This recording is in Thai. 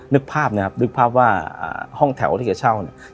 นึกภาพนะครับนึกภาพว่าห้องแถวที่แกเช่าเนี่ย